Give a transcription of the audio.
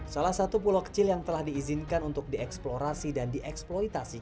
salah satu pulau kecil yang telah diizinkan untuk dieksplorasi dan dieksploitasi